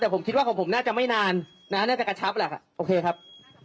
แต่ผมคิดว่าของผมน่าจะไม่นานนะน่าจะกระชับแหละโอเคครับ